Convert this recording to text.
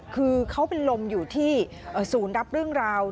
คือเขาเป็นลมอยู่ที่ศูนย์รับเรื่องราว